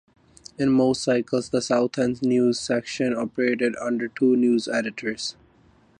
In most cycles, the South End's news section operated under two news editors.